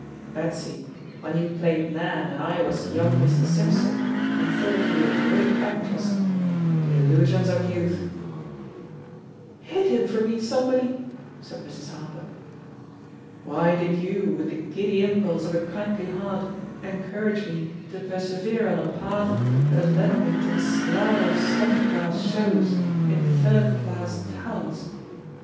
Betsy, when you played *Nan' and I was *Young Mr. Simpson,' and thought you a great actress — ^the illusions of youth " "Hit him for me, somebody I'* said Mrs. Har P«. "Why did you, with the giddy impulse of a kindly heart, encourage me to persevere on a path that has led me to the slough of second class shows in third class towns?